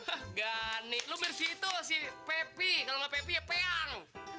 hah gani lo mirip si itu si pepi kalau nggak pepi ya peang